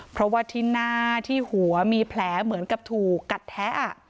เพราะว่าที่หน้าที่หัวมีแผลเหมือนกับถูกกัดแท้